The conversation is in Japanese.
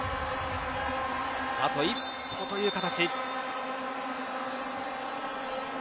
あと一歩という形。